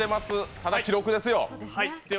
ただ、記録ですよ。